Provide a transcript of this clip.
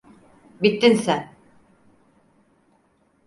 Bittin sen!